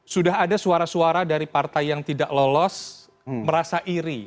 sudah ada suara suara dari partai yang tidak lolos merasa iri